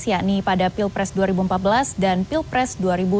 yakni pada pilpres dua ribu empat belas dan pilpres dua ribu sembilan belas